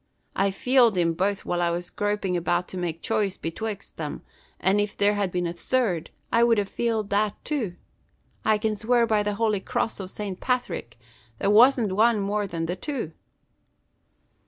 I feeled thim both while I was gropin' about to make choice betwixt them; an if there had been a third, I wud a feeled that too. I can swear by the holy cross of Saint Pathrick there wasn't wan more than the two."